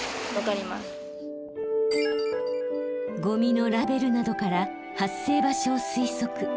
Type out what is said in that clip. ゴミのラベルなどから発生場所を推測。